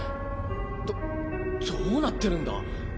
どどうなってるんだ？